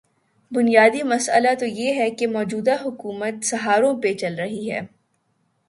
بنیادی مسئلہ تو یہ ہے کہ موجودہ حکومت سہاروں پہ چل رہی ہے۔